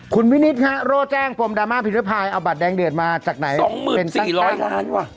คุณวินิตโร่แจ้งกรมดราม่าพินภายเอาบัตรแดงเดือดมาจากไหนเป็นตั้งแต่๒๔๐๐๐๐๐๐บาท